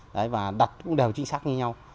đấy và đặt cũng đều chính xác như nhau